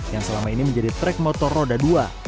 yang selama ini menjadi trek motor roda dua